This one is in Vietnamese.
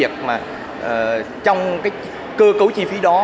trong cơ cấu chi phí đó